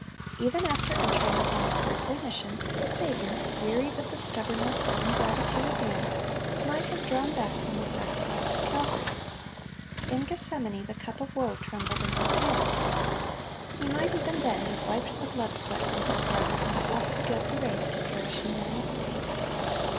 Even after entering upon His earthly mission, the Saviour, wearied with the stubbornness and ingratitude of men, might have drawn back from the sacrifice of Calvary. In Gethsemane the cup of woe trembled in His hand. He might even then have wiped the blood sweat from His brow, and have left the guilty race to perish in their iniquity.